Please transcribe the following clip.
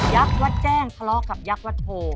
วัดแจ้งทะเลาะกับยักษ์วัดโพ